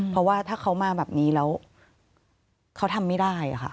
เพราะว่าถ้าเขามาแบบนี้แล้วเขาทำไม่ได้ค่ะ